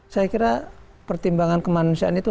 saya kira pertimbangan kemanusiaan itu